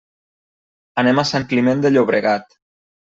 Anem a Sant Climent de Llobregat.